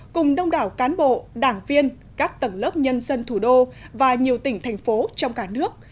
cùng đông đảo cán bộ đảng viên các tầng lớp nhân dân thủ đô và nhiều tỉnh thành phố trong cả nước